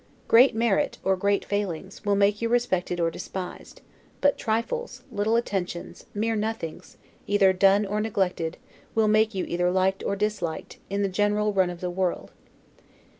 Great merit, or great failings, will make you be respected or despised; but trifles, little attentions, mere nothings, either done, or neglected, will make you either liked or disliked, in the general run of the world.